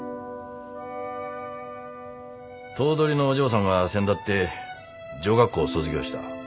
頭取のお嬢さんがせんだって女学校を卒業した。